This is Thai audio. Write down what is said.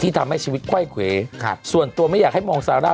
ทำให้ชีวิตไขว้เขวส่วนตัวไม่อยากให้มองซาร่า